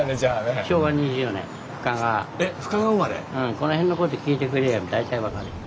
この辺のこと聞いてくれりゃあ大体分かる。